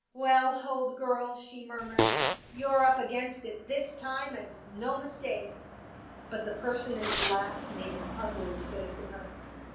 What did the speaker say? " Well, old girl," she murmured, " you're up against it this time, and no mistake." But the person in the glass made an ugly face at her.